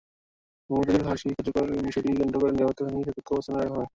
মুমতাজের ফাঁসি কার্যকর করার বিষয়টিকে কেন্দ্র করে নিরাপত্তা বাহিনীকে সতর্ক অবস্থানে রাখা হয়।